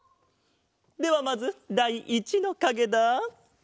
ではまずだい１のかげだ。